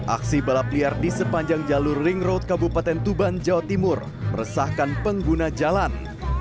aksi balap liar di sepanjang jalur ring road kabupaten tuban jawa timur meresahkan pengguna jalan